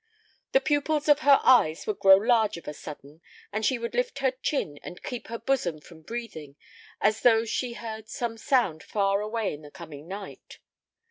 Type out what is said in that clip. The pupils of her eyes would grow large of a sudden, and she would lift her chin and keep her bosom from breathing, as though she heard some sound far away in the coming night.